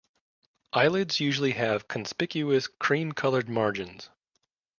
Eyelids usually have conspicuous cream-coloured margins.